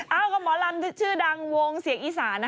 เอ้าก็หมอลำชื่อดังวงเสียงอีสานนะ